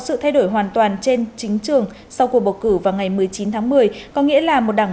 sự thay đổi hoàn toàn trên chính trường sau cuộc bầu cử vào ngày một mươi chín tháng một mươi có nghĩa là một đảng